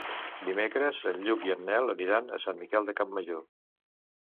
Dimecres en Lluc i en Nel aniran a Sant Miquel de Campmajor.